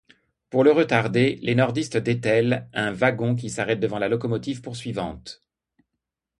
Pour le retarder, les nordistes détellent un wagon qui s’arrête devant la locomotive poursuivante.